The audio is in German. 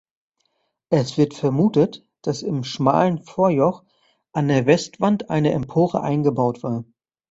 Es wird vermutet, dass im schmalen Vorjoch an der Westwand eine Empore eingebaut war.